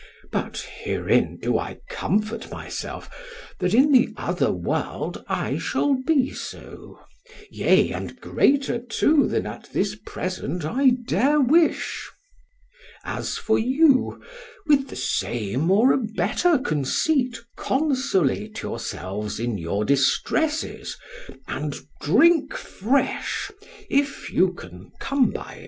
But herein do I comfort myself, that in the other world I shall be so, yea and greater too than at this present I dare wish. As for you, with the same or a better conceit consolate yourselves in your distresses, and drink fresh if you can come by it.